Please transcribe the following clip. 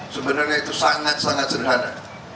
sebenarnya itu sangat sangat sederhana